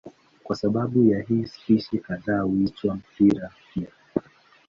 Kwa sababu ya hii spishi kadhaa huitwa mpira pia.